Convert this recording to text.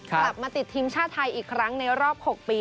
กลับมาติดทีมชาติไทยอีกครั้งในรอบ๖ปี